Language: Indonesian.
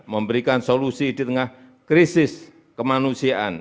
memberikan solusi di tengah krisis kemanusiaan